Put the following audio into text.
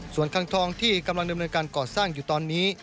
ส่วนคังทองที่กำลังดำเนินการก่อสร้างอยู่ตอนนี้